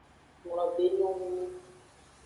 Nglobe enyo hunu.